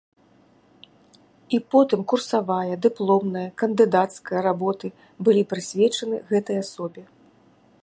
І потым курсавая, дыпломная, кандыдацкая работы былі прысвечаны гэтай асобе.